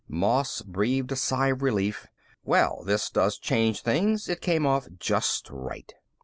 Moss breathed a sigh of relief. "Well, this does change things. It came off just right."